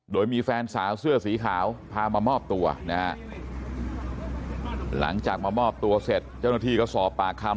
โดยมีแฟนสาวเสื้อสีขาวพามามอบตัวนะฮะหลังจากมามอบตัวเสร็จเจ้าหน้าที่ก็สอบปากคำ